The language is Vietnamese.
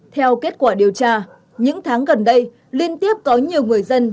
theo kết quả điều tra những tháng gần đây liên tiếp có nhiều người dân